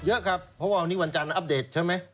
เยอะครับเพราะว่าวันนี้วันจันทร์อัปเดตใช่ไหม